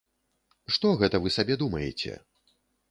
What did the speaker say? Што гэта вы сабе думаеце?